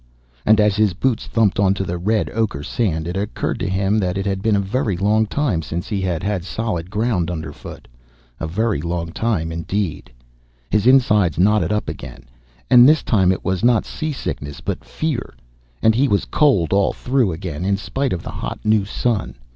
And as his boots thumped onto the red ochre sand, it occurred to him that it had been a very long time since he had had solid ground underfoot. A very long time indeed His insides knotted up again, and this time it was not seasickness but fear, and he was cold all through again in spite of the hot new sun.